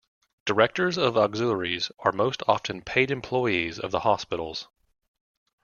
Directors of auxiliaries are most often paid employees of the hospitals.